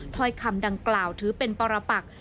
ถ้อยคำดังกล่าวถือเป็นปรปัก